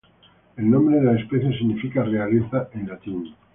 El nombre de la especie significa "realeza" en latín.